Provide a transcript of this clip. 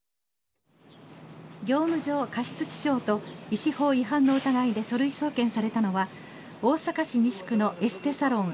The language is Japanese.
業務上過失致傷と医師法違反の疑いで書類送検されたのは大阪市西区のエステサロン